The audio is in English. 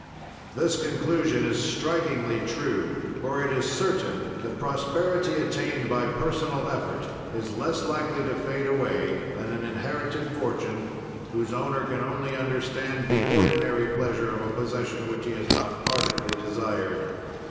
This conclusion is strikingly true, for it is certain that prosperity attained by personal effort is less likely to fade away than an inherited fortune, whose owner can only understand the ordinary pleasure of a possession which he has not ardently desired.